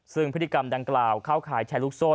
ซึ่งพฤติกรรมดังกล่าวเข้าข่ายแชร์ลูกโซ่